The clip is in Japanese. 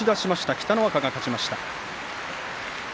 北の若が勝ちました。